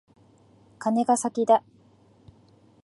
カネが先だ。